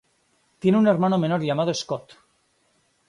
Tiene un hermano menor llamado Scott.